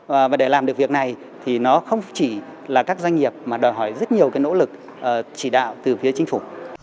và để làm được việc này thì nó không chỉ là các doanh nghiệp mà đòi hỏi rất nhiều cái nỗ lực chỉ đạo từ phía chính phủ